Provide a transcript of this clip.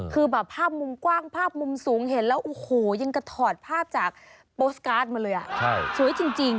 คือแบบภาพมุมกว้างภาพมุมสูงเห็นแล้วโอ้โหยังกระถอดภาพจากโปสตการ์ดมาเลยสวยจริง